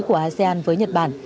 của asean với nhật bản